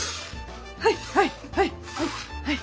はいはいはいはいはい！